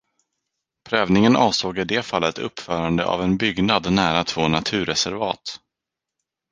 Prövningen avsåg i det fallet uppförande av en byggnad nära två naturreservat.